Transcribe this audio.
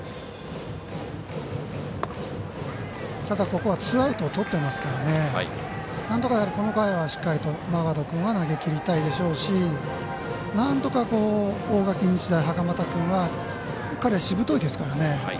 ただ、ここはツーアウトとってますからなんとか、この回はしっかりとマーガード君は投げきりたいでしょうしなんとか、大垣日大の袴田君は彼、しぶといですからね。